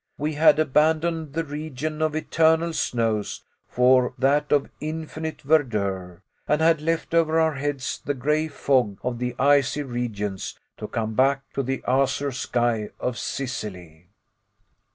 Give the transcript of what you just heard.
We had abandoned the region of eternal snows for that of infinite verdure, and had left over our heads the gray fog of the icy regions to come back to the azure sky of Sicily!